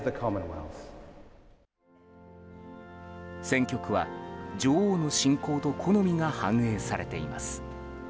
選曲は女王の信仰と好みが反映されています。